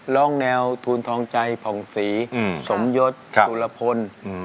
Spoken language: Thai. แนวทูลทองใจผ่องศรีสมยศสุรพล